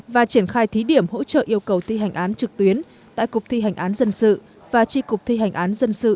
và triển khai thí điểm hỗ trợ yêu cầu thi hành án trực tuyến tại cục thi hành án dân sự và tri cục thi hành án dân sự